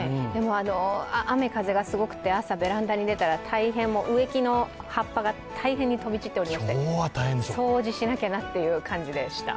雨風がすごくて朝ベランダに出たら、植木の葉っぱが大変に飛び散っておりまして掃除しなきゃなという感じでした。